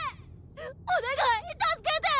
お願い助けて！